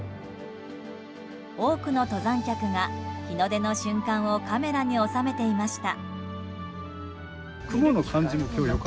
多くの登山客が日の出の瞬間をカメラに収めていました。